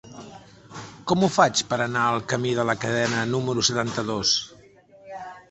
Com ho faig per anar al camí de la Cadena número setanta-dos?